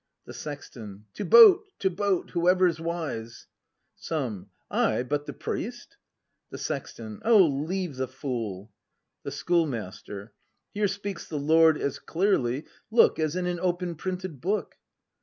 The Sexton. To boat, to boat, whoever's wise! Some. Ay, but the priest? The Sexton. O, leave the fool! The Schoolmaster. Here speaks the Lord as clearly, look, As in an open printed book!